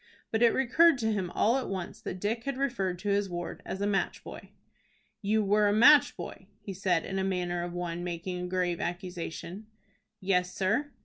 But it recurred to him all at once that Dick had referred to his ward as a match boy. "You were a match boy?" he said, in the manner of one making a grave accusation. "Yes, sir."